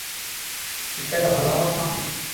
তুমি তাকে ভালোমত সামলেছ।